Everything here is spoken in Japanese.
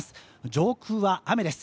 上空は雨です。